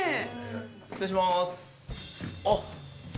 失礼します。